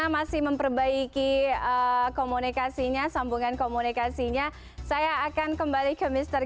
masih memperbaiki komunikasinya sambungan komunikasinya saya akan kembali ke misteri